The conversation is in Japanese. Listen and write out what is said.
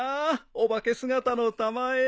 お化け姿のたまえ。